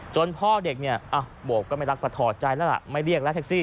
จนพ่อเด็กบอกว่าไม่รักประทอดใจแล้วล่ะไม่เรียกแล้วแท็กซี่